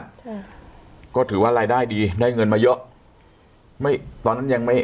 ค่ะก็ถือว่ารายได้ดีได้เงินมาเยอะไม่ตอนนั้นยังไม่